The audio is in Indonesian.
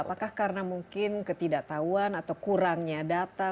apakah karena mungkin ketidaktahuan atau kurangnya data